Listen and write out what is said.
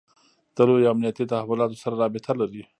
له لویو امنیتي تحولاتو سره رابطه لري.